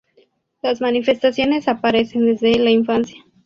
Las manifestaciones aparecen desde la infancia.